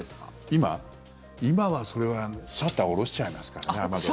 今はそれは、シャッター下ろしちゃいますからね、雨戸。